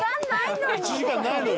１時間ないのよ。